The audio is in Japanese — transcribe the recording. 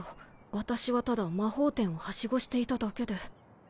私はただ魔法店をハシゴしていただけで。